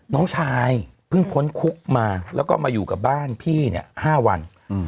น้องชายเพิ่งพ้นคุกมาแล้วก็มาอยู่กับบ้านพี่เนี่ย๕วัน